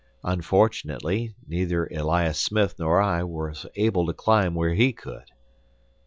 Unfortunately, neither Elias Smith nor I was able to climb where he could.